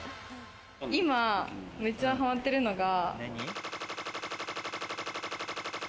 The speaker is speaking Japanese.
今めっちゃハマってるのが。